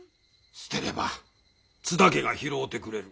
捨てれば津田家が拾うてくれる。